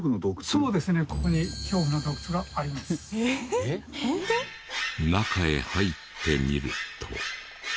そうですね中へ入ってみると。